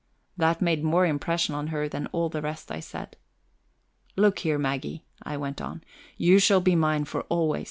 That made more impression on her than all the rest I said. "Look here, Maggie," I went on, "you shall be mine for always.